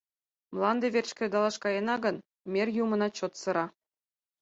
Мланде верч кредалаш каена гын, мер юмына чот сыра.